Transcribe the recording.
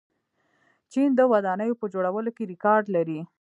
چین د ودانیو په جوړولو کې ریکارډ لري.